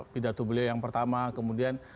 pidato beliau yang pertama kemudian